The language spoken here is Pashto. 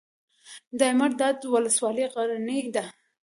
دایمیرداد ولسوالۍ غرنۍ ده؟